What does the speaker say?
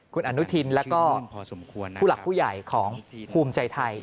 คุณอนุทินแล้วก็ผู้หลักผู้ใหญ่ของภูมิใจไทย